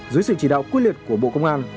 dưới sự chỉ đạo quyết liệt của bộ công an